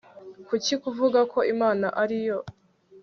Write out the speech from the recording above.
kuki kuvuga ko imana ari yo